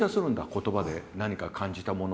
言葉で何か感じたものを。